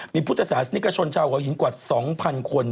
มีพุทธศาสนิกชนชาวหัวหินกว่า๒๐๐คน